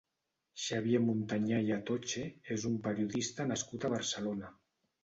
Xavier Montanyà i Atoche és un periodista nascut a Barcelona.